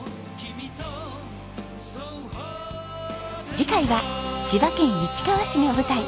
次回は千葉県市川市が舞台。